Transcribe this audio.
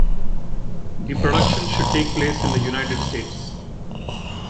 The production should take place in the United States.